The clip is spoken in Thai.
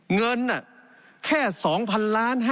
เงินแค่๒๐๐๐ล้าน